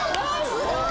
すごい！